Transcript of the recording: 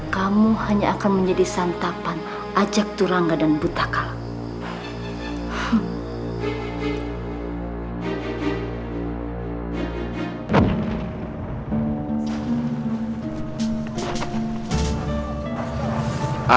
kamu hanya akan menjadi santapan ajak turangga dan butokala